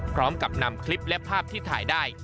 พร้อมกับนำคลิปและภาพที่ถ่ายได้